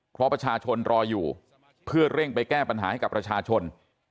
เพราะประชาชนรออยู่เพื่อเร่งไปแก้ปัญหาให้กับประชาชน